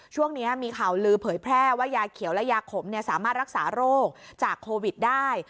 ช่วงนี้มีข่าวลือเผยแพร่ว่ายาเขียวและยาขมสามารถรักษาโรคจากโควิดได้